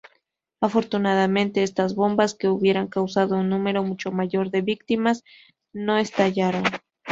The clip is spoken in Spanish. Afortunadamente, estas bombas —que hubieran causado un número mucho mayor de víctimas— no estallaron.